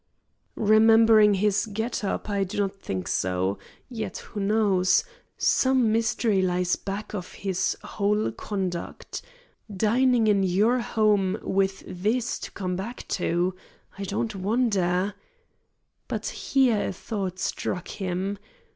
"Remembering his get up I do not think so. Yet who knows? Some mystery lies back of his whole conduct. Dining in your home, with this to come back to! I don't wonder " But here a thought struck him.